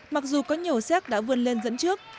mặc dù có nhiều séc đã vươn lên dẫn trước